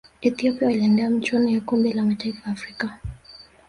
ethiopia waliandaa michuano ya kombe la mataifa afrika